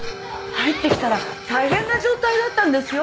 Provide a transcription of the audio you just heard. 入ってきたら大変な状態だったんですよ。